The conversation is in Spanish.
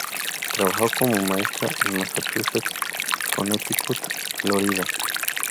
Trabajó como maestra en Massachusetts, Connecticut y Florida.